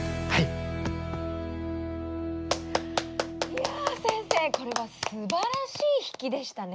いや先生これはすばらしい引きでしたね。